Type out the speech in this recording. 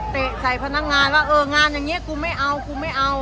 ใส่พนักงานว่าเอองานอย่างนี้กูไม่เอากูไม่เอา